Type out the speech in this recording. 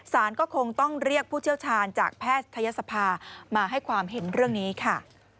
ก็คงต้องเรียกผู้เชี่ยวชาญจากแพทยศภามาให้ความเห็นเรื่องนี้ค่ะ